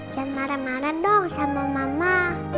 jangan marah marah dong sama mama